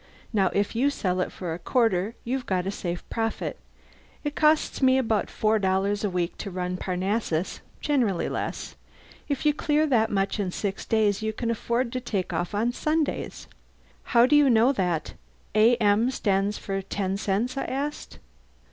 Now, if you sell it for a quarter you've got a safe profit. It costs me about four dollars a week to run Parnassus generally less. If you clear that much in six days you can afford to lay off on Sundays!" "How do you know that a m stands for ten cents?" I asked.